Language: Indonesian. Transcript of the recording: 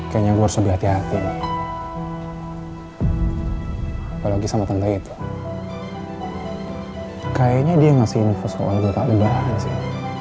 kayaknya gue harus lebih hati hati nih apalagi sama tante itu kayaknya dia yang ngasih info soal kota lembagaan sih